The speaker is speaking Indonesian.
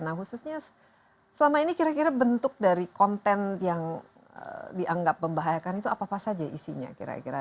nah khususnya selama ini kira kira bentuk dari konten yang dianggap membahayakan itu apa apa saja isinya kira kira